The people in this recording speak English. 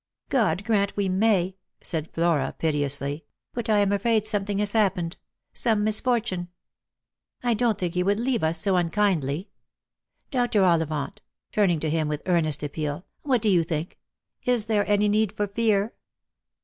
" God grant we may !" said Flora piteously ;" but I am afraid something has happened — some misfortune. I don't think he would leave us so unkindly. Dr. Ollivant," turning to him with earnest appeal, " what do you think P Is there any need for fear